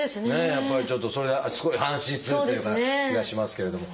やっぱりちょっとそれはすごい安心するという気がしますけれども。